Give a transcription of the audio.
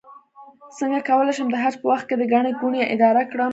څنګه کولی شم د حج په وخت کې د ګڼې ګوڼې اداره کړم